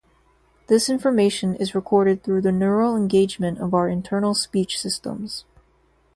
This information is recorded through the neural engagement of our internal speech systems.